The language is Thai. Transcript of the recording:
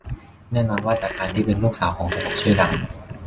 แน่นอนว่าจากการที่เป็นลูกสาวของตลกชื่อดัง